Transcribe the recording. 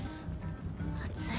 熱い。